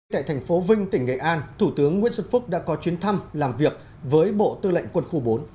tại thành phố vinh tỉnh nghệ an thủ tướng nguyễn xuân phúc đã có chuyến thăm làm việc với bộ tư lệnh quân khu bốn